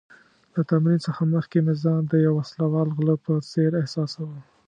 د تمرین څخه مخکې مې ځان د یو وسله وال غله په څېر احساساوه.